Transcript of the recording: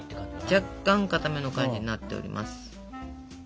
若干かための感じになっております。